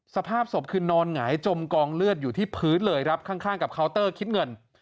สภาพศพคือนอนหงายจมกองเลือดอยู่ที่พื้นเลยครับข้างกับเคาน์เตอร์คิดเงิน